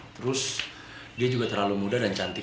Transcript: terus dia juga terlalu muda dan cantik